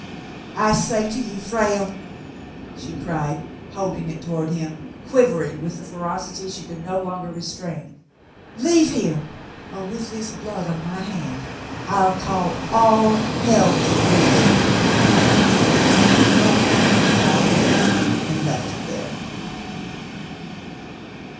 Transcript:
"I say, you Frale !" she cried, holding it toward him, quivering with the ferocity she could no longer restrain, "leave here, or with this blood on my hand I'll call all hell to curse you." Frale turned with bowed head and left her there.